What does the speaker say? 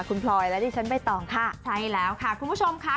คุณพลอยและดิฉันใบตองค่ะใช่แล้วค่ะคุณผู้ชมค่ะ